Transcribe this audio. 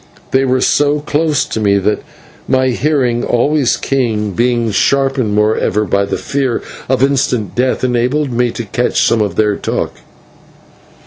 They were so close to me that my hearing, always keen, being sharpened moreover by the fear of instant death, enabled me to catch some of their talk.